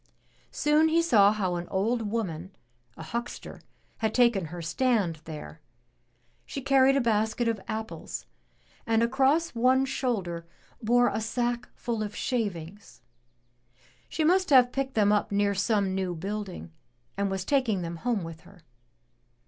Soon he saw how an old woman, a huckster, had taken her stand there. She carried a basket of apples, and across one shoulder bore a sack full of shavings. She must have picked them up near some new building, and was taking them home with her.